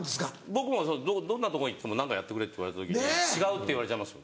僕もどんなとこ行っても何かやってくれって言われた時に「違う」って言われちゃいます。